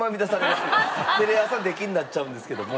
テレ朝出禁になっちゃうんですけども。